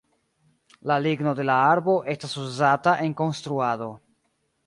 La ligno de la arbo estas uzata en konstruado.